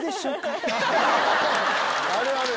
あるある。